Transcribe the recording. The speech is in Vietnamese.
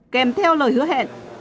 kèm theo lời hứa hẹn